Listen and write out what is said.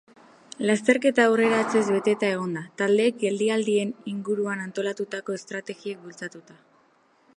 Lasterketa aurreratzez beteta egon da, taldeek geldialdien inguruan antolatutako estrategiek bultzatuta.